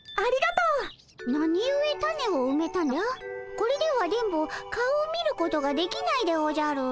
これでは電ボ顔を見ることができないでおじゃる。